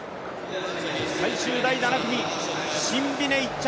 最終第７組、シンビネ１着。